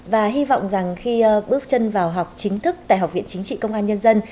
và hy vọng rằng khi bước chân vào học chính thức tại học viện chính trị công an nhân dân